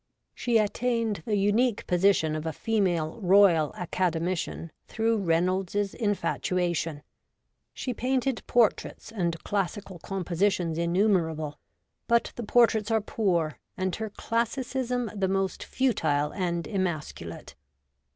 She attained the unique position of a female Royal Academician through Reynolds's infatuation : she painted portraits and classical compositions innumer able, but the portraits are poor and her classicism the most futile and emasculate.